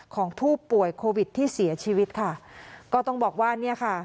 ของผู้ป่วยโควิดที่เสียชีวิตค่ะก็ต้องบอกว่าเนี่ยค่ะ